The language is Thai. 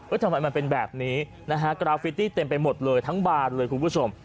ทำไมมันเป็นแบบนี้นะฮะกราฟิตี้เต็มไปหมดเลยทั้งบานเลยคุณผู้ชม